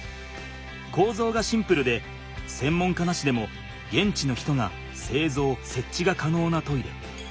こうぞうがシンプルで専門家なしでも現地の人がせいぞうせっちがかのうなトイレ。